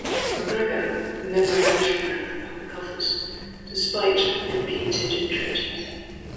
McGregor never actually ran for public office, despite repeated entreaties.